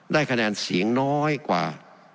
ได้คะแนนเสียงน้อยกว่า